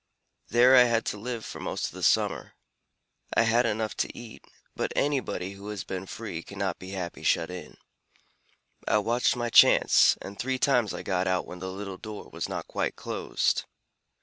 There I had to live for most of the summer. I had enough to eat; but anybody who has been free cannot be happy shut in. I watched my chance, and three times I got out when the little door was not quite closed.